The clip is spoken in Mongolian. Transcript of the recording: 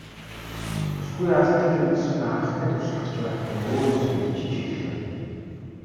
Бүсгүй алдаж үзсэн анхны туршлага ч байхгүй өөрөөсөө ичиж эхлэв.